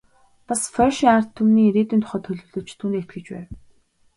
Бас польшийн ард түмний ирээдүйн тухай төлөвлөж, түүндээ итгэж байв.